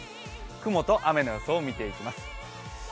雲と雨の予想を見ていきます。